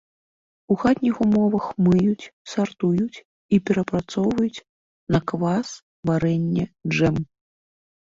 У хатніх умовах мыюць, сартуюць і перапрацоўваюць на квас, варэнне, джэм.